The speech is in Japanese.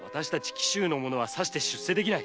紀州の者はさして出世できない。